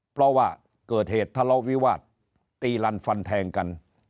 เพราะว่าเกิดเหตุทะเลาะวิวาสตีลันฟันแทงกัน